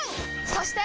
そして！